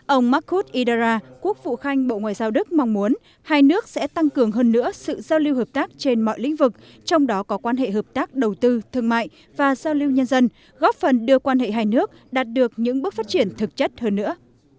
ông markud idara quốc vụ khanh bộ ngoại giao đức mong muốn hai nước sẽ tăng cường hơn nữa sự giao lưu hợp tác trên mọi lĩnh vực trong đó có quan hệ hợp tác đầu tư thương mại và giao lưu nhân dân góp phần đưa quan hệ hai nước đạt được những bước phát triển thực chất hơn nữa